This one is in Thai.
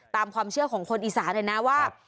ตามความเชื่อของคนอีสานเลยนะว่า